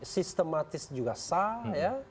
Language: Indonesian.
sistematis juga sah